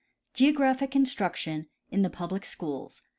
GEOGRAPHIC INSTRUCTION IN THE PUBLIC SCHOOLS W.